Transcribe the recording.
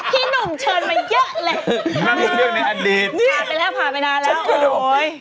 เป็นเรื่องในอดีต